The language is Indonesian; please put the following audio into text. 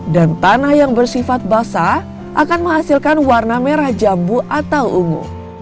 dan tanah yang bersifat basah akan menghasilkan warna merah jambu atau ungu